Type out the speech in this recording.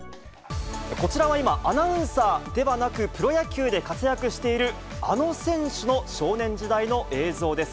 こちらは今、アナウンサーではなく、プロ野球で活躍しているあの選手の少年時代の映像です。